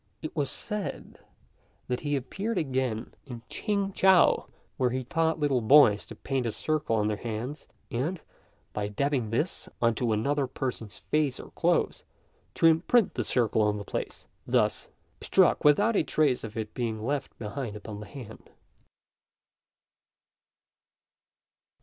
It was said that he appeared again in Ch'ing chou, where he taught little boys to paint a circle on their hands, and, by dabbing this on to another person's face or clothes, to imprint the circle on the place thus struck without a trace of it being left behind upon the hand.